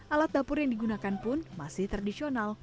alat dapur yang digunakan pun masih tradisional